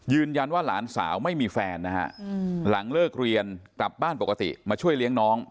หลานสาวไม่มีแฟนนะฮะหลังเลิกเรียนกลับบ้านปกติมาช่วยเลี้ยงน้อง